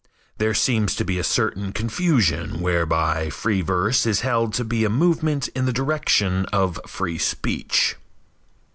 There seems to be a certain confusion whereby free verse is held to be a movement in the direction of free speech.